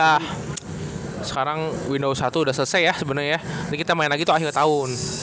ya sekarang windows satu udah selesai ya sebenernya ya jadi kita main lagi tuh akhir tahun